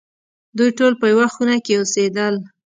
دوی ټول په یوه خونه کې اوسېدل.